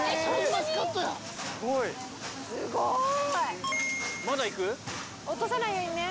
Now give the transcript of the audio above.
すごい。